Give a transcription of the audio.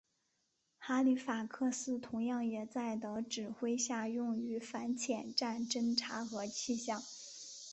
哈利法克斯同样也在的指挥下用于反潜战侦察和气象。